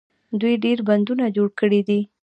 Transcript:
دوی ډیر بندونه جوړ کړي دي.